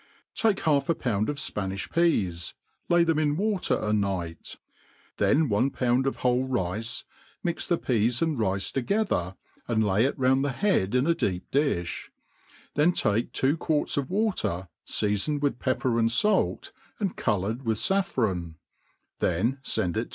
TAKE half a pound of Spaniih peas, \%y tlvem in water 4 night ^ then one pound of wboUi rice, i9,ix, ihe pea^ and ric^ together, a^d lay it xound t&$ bead in a, deep dUh^ then t^ke two qoarts of watet , feafoned . wJAb pepper ai|d (ajlt, and cof iMireik wkh faffran ; then fend it.